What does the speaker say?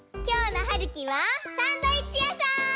きょうのはるきはサンドイッチやさん！